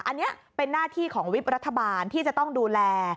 อันนี้เป็นหน้าที่ของวิบรัฐบาลที่จะต้องดูแล